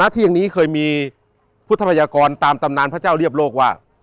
เที่ยงนี้เคยมีพุทธพยากรตามตำนานพระเจ้าเรียบโลกว่า